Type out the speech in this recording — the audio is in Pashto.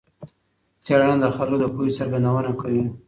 څېړنه د خلګو د پوهي څرګندونه کوي.